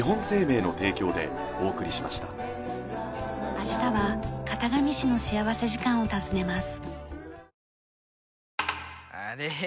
明日は潟上市の幸福時間を訪ねます。